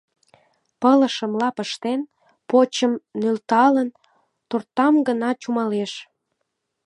Пылышым лап ыштен, почым нӧлталын, тортам гына чумалеш.